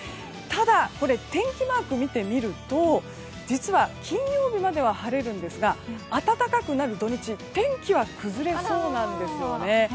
ただ、天気マークを見てみると実は、金曜日までは晴れますが暖かくなる土日は天気は崩れそうなんですよね。